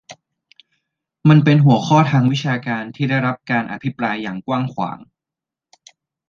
มันเป็นหัวข้อทางวิชาการที่ได้รับการอภิปรายอย่างกว้างขวาง